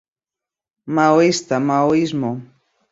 Maoísta, maoísmo